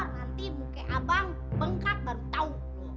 nanti muka abang bengkak baru tahu